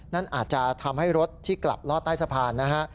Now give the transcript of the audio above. นั่นอาจจะทำให้รถที่กลับลอดใต้สะพานนะฮะ